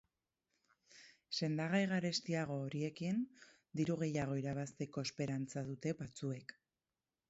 Sendagai garestiago horiekin diru gehiago irabazteko esperantza dute batzuek.